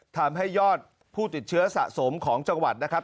ทำให้ยอดผู้ติดเชื้อสะสมของจังหวัดนะครับ